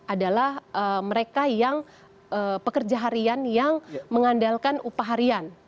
adalah mereka yang pekerja harian yang mengandalkan upah harian